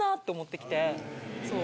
そう。